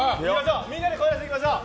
みんなで声出していきましょう！